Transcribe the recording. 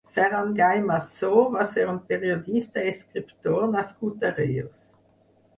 Ferran Gay Massó va ser un periodista i escriptor nascut a Reus.